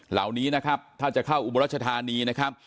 เหล่านี้นะครับถ้าจะเข้าอุบรัชธานีนะครับ